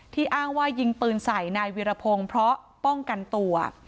อ้างว่ายิงปืนใส่นายวิรพงศ์เพราะป้องกันตัว